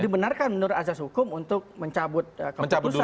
dibenarkan menurut azas hukum untuk mencabut keputusan